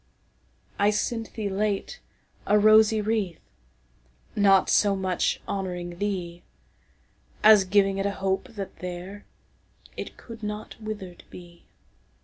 I sent thee late a rosy wreath, Not so much honouring theeAs giving it a hope that thereIt could not wither'd be.